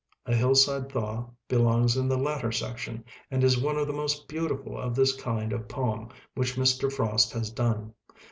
"A Hillside Thaw" be longs in the latter section, and is one of the most beautiful of this kind of poem which Mr. Frost has done.